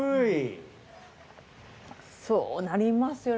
そうなりますよね。